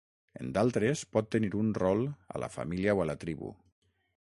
En d'altres, pot tenir un rol a la família o a la tribu.